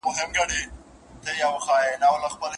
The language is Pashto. ميرمن د چا اجازه بايد واخلي؟